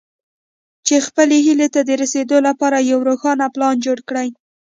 چې خپلې هيلې ته د رسېدو لپاره يو روښانه پلان جوړ کړئ.